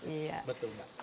iya betul mbak